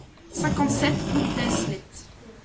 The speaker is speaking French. cinquante-sept route d'Eslettes